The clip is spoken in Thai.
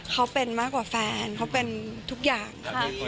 เขาเป็นมากกว่าแฟนเขาเป็นทุกอย่างค่ะ